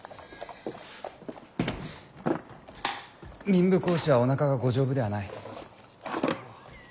民部公子はおなかがご丈夫ではない。